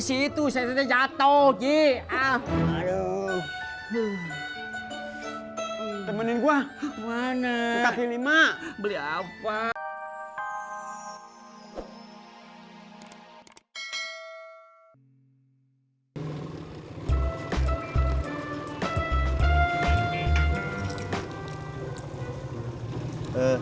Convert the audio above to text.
situ saya jatuh g delapan aduh temenin gua mana pilih mak beliau apa